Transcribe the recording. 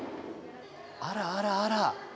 あらあらあら。